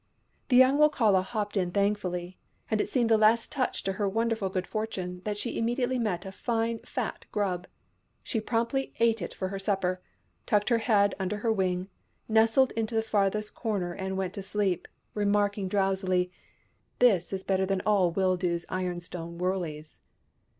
The young Wokala hopped in thankfully, and it seemed the last touch to her wonderful good fortune that she immediately met a fine fat grub. She promptly ate it for her supper, tucked her head under her wing, nestled into the farthest corner, and went to sleep, remarking drowsily, " This is better than all Wildoo's ironstone wurleys